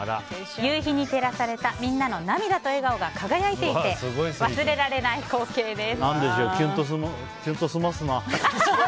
夕日に照らされたみんなの涙と笑顔が輝いていて忘れられない光景です。